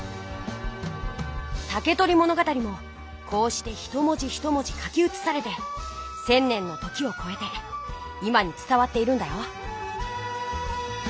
「竹取物語」もこうしてひと文字ひと文字書きうつされて１，０００年の時をこえて今につたわっているんだよ。